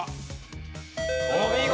お見事！